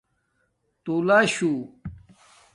تولہ شُݸ